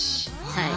はい。